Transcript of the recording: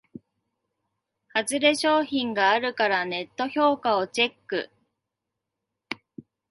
ハズレ商品があるからネット評価をチェック